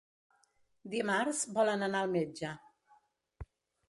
Dimarts volen anar al metge.